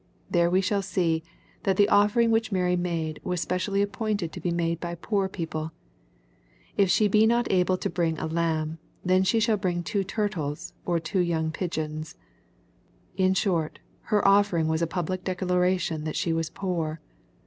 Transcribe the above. There we shall see, that the offering which Mary made was specially appointed to he made hy poor people :—" If she be not able to bring a lamt, then she shall bring two turtles, or two young pigeons/' In short, her offering was a public declaration that she was poor.